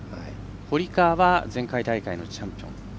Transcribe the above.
堀川は前回大会のチャンピオン。